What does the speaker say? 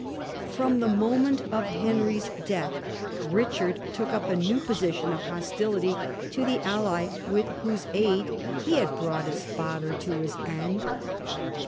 From the moment of Henry's death Richard took up a new position of hostility to the ally with whose aid he had brought his father to his end.